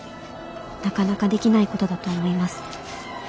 なかなかできないことだと思います。